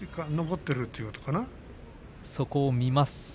そこを見ます。